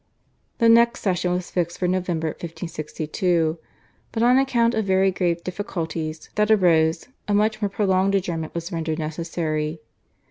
The next session was fixed for November 1562 but on account of very grave difficulties that arose a much more prolonged adjournment was rendered necessary.